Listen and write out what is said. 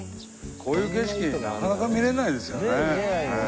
こういう景色なかなか見れないですよね。